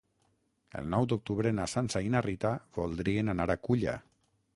El nou d'octubre na Sança i na Rita voldrien anar a Culla.